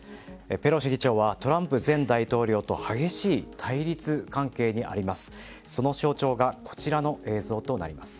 ペロシ議長はトランプ前大統領と激しい対立関係にあります。